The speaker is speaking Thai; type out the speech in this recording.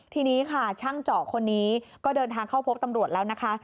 ทีนี้ค่ะช่างเจาะคนนี้ก็เดินทางเข้าพบตำรวจแล้วนะคะ